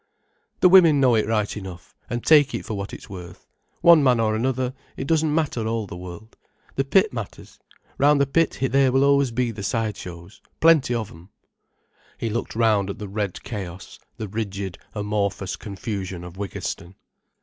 "The women know it right enough, and take it for what it's worth. One man or another, it doesn't matter all the world. The pit matters. Round the pit there will always be the side shows, plenty of 'em." He looked round at the red chaos, the rigid, amorphous confusion of Wiggiston.